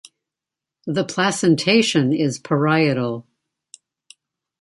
The placentation is parietal.